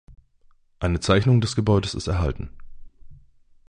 Eine Zeichnung des Gebäudes ist erhalten.